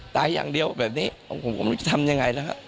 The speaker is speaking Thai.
ตายอย่างเดียวแบบนี้ผมจะทำยังไงนะฮะ